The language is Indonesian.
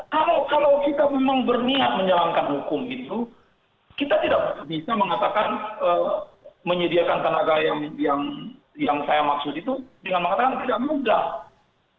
kalau kita memang berniat menjalankan hukum itu kita tidak bisa mengatakan menyediakan tenaga yang saya maksud itu dengan mengatakan tidak mudah